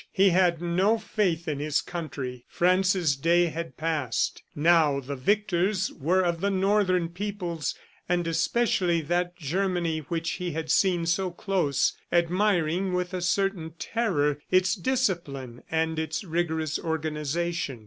He had no faith in his country. France's day had passed. Now the victors were of the Northern peoples, and especially that Germany which he had seen so close, admiring with a certain terror its discipline and its rigorous organization.